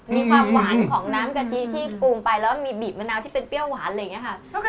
มีความหวานของน้ำกะทิที่ปรุงไปแล้วมีบีบมะนาวที่เป็นเปรี้ยวหวานอะไรอย่างนี้ค่ะ